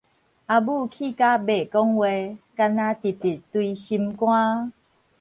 阿母氣甲袂講話，干焦直直捶心肝